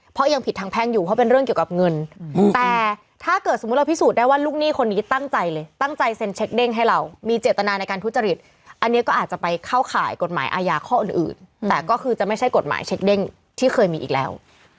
เพราะยังผิดทางแพ่งอยู่เพราะเป็นเรื่องเกี่ยวกับเงินแต่ถ้าเกิดสมมุติเราพิสูจน์ได้ว่าลูกหนี้คนนี้ตั้งใจเลยตั้งใจเซ็นเช็คเด้งให้เรามีเจตนาในการทุจริตอันนี้ก็อาจจะไปเข้าข่ายกฎหมายอาญาข้ออื่นแต่ก็คือจะไม่ใช่กฎหมายเช็คเด้งที่เคยมีอีกแล้ว